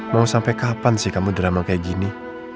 mau sampai kapan sih kamu drama kayak gini